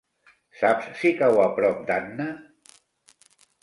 Saps si cau a prop d'Anna?